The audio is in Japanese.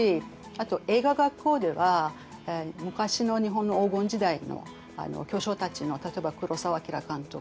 あと映画学校では昔の日本の黄金時代の巨匠たちの例えば黒澤明監督